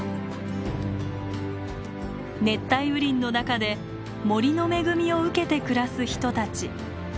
熱帯雨林の中で森の恵みを受けて暮らす人たち。